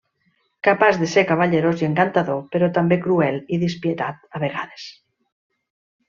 Capaç de ser cavallerós i encantador, però també cruel i despietat a vegades.